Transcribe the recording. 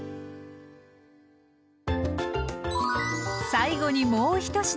最後にもう１品。